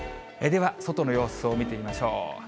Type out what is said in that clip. では外の様子を見てみましょう。